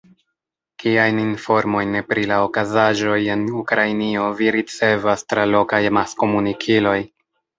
Kiajn informojn pri la okazaĵoj en Ukrainio vi ricevas tra lokaj amaskomunikiloj?